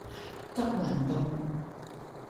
德雲道